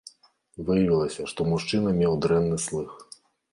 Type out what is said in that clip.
Выявілася, што мужчына меў дрэнны слых.